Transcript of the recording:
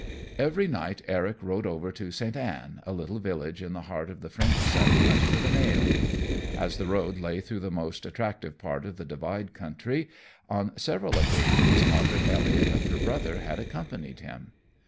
Every night Eric rode over to St. Anne, a little village in the heart of the French settlement, for the mail. As the road lay through the most attractive part of the Divide country, on several occasions Margaret Elliot and her brother had accompanied him.